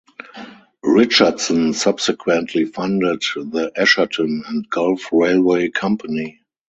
Richardson subsequently funded the Asherton and Gulf Railway Company.